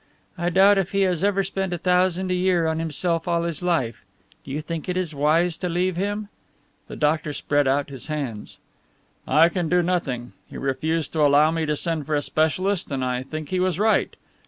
I doubt if he has ever spent a thousand a year on himself all his life do you think it is wise to leave him?" The doctor spread out his hands. "I can do nothing. He refused to allow me to send for a specialist and I think he was right.